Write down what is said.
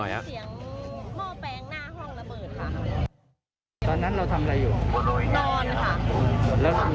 เสียงหม้อแปลงหน้าห้องระเบิดค่ะตอนนั้นเราทำอะไรอยู่นอนค่ะ